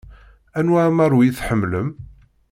Anwa amaru i tḥemmlem?